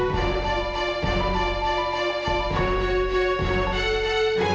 gue nggak mau ngerebutin kalian lagi